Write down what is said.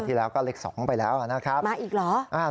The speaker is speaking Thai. แล้วก็เลข๒ไปแล้วนะครับมาอีกเหรอ